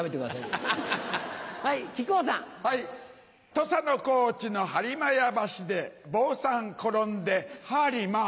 土佐の高知のはりまや橋で坊さん転んでハリマァ。